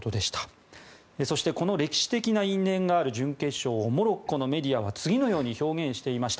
そしてこの歴史的な因縁がある準決勝をモロッコのメディアは次のように表現していました。